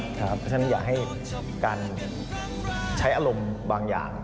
เพราะฉะนั้นอย่าให้การใช้อารมณ์บางอย่าง